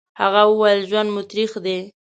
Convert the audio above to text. هغه وويل: ژوند مو تريخ دی.